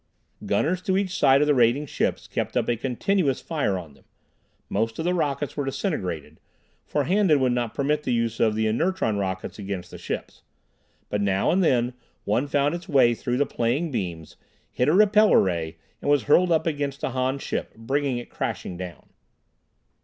Gunners to each side of the raiding ships kept up a continuous fire on them. Most of the rockets were disintegrated, for Handan would not permit the use of the inertron rockets against the ships. But now and then one found its way through the playing beams, hit a repeller ray and was hurled up against a Han ship, bringing it crashing down.